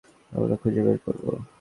আমরা খুঁজে বের করব।